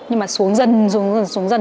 nhưng mà xuống dần xuống dần xuống dần